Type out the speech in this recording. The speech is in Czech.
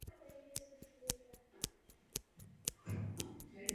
Na cestě domů jejich loď byla zajata piráty a Jakub byl uvězněn.